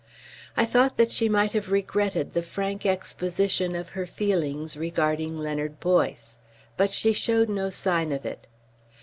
I thought that she might have regretted the frank exposition of her feelings regarding Leonard Boyce. But she showed no sign of it.